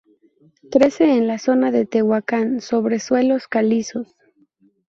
Crece en la zona de Tehuacán, sobre suelos calizos.